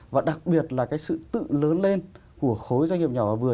và đặc biệt là cái sự tự lớn lên của khối doanh nghiệp nhỏ và vừa